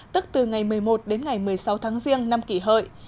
tức từ ngày một mươi một đến ngày một mươi sáu tháng riêng năm kỷ hợi